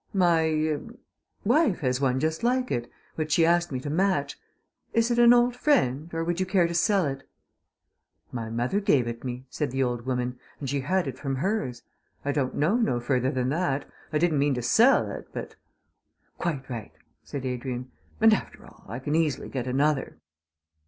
"My er wife has one just like it, which she asked me to match. Is it an old friend, or would you care to sell it?" "My mother gave it me," said the old woman, "and she had it from hers. I don't know no further than that. I didn't mean to sell it, but " "Quite right," said Adrian, "and, after all, I can easily get another."